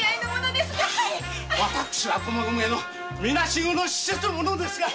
私は駒込のみなし子の施設の者ですが。